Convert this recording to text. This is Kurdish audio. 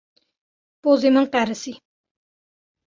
Pozê min qerisî.